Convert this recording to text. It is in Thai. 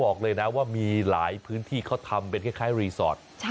บอกเลยนะว่ามีหลายพื้นที่เขาทำเป็นคล้ายรีสอร์ท